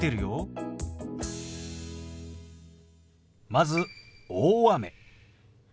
まず「大雨」。